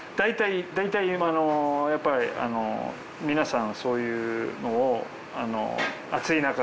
だいたいやっぱり皆さんそういうのを暑いなか